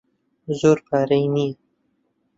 زۆر پارەی نییە.